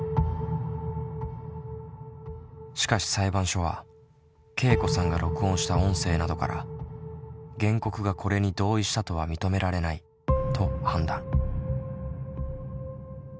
しかし裁判所はけいこさんが録音した音声などから原告がこれに同意したとは認められないと判断。